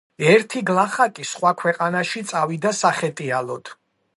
ერთი გლახაკი სხვა ქვეყანაში წავიდა სახეტიალოდ.